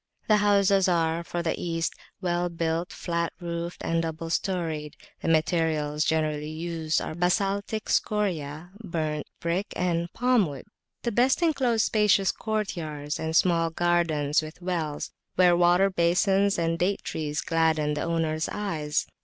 The houses are, for the East, well built, flat roofed and double storied; the materials generally used are a basaltic scoria, burnt brick, and palm wood. The best enclose spacious courtyards and small gardens with wells, where water basins and date trees gladden the owners' eyes.